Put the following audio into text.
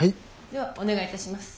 ではお願いいたします。